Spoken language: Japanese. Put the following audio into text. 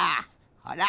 ほら。